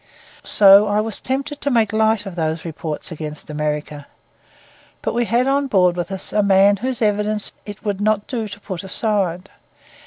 So I was tempted to make light of these reports against America. But we had on board with us a man whose evidence it would not do to put aside.